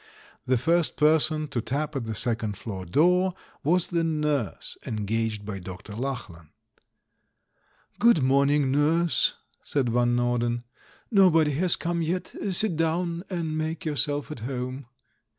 The first person to tap at the second floor door was the nurse engaged by Dr. Lachlan. "Good morning, Nurse," said Van Norden. THE THIRD M 331 * 'Nobody has come yet ; sit down and make your self at home."